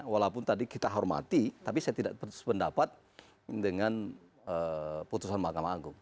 walaupun tadi kita hormati tapi saya tidak sependapat dengan putusan mahkamah agung